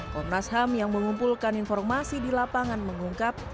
komnas ham yang mengumpulkan informasi di lapangan mengungkap